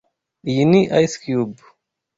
Iyi ni ice cube.